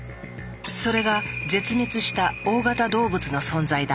それが絶滅した大型動物の存在だ。